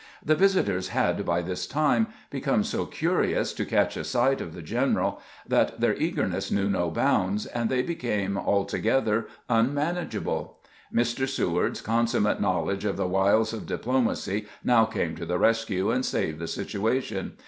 The visitors had by this time become so curious to catch a sight of the general that their eagerness knew no bounds, and they became altogether unmanageable. Mr. Seward's consummate knowledge of the wiles of diplomacy now came to the rescue and saved the situation.